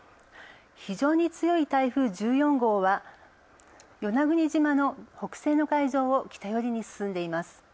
非常に強い台風１４号は与那国島の北西の海上を北寄りへ進んでいます。